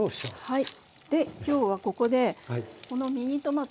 はい。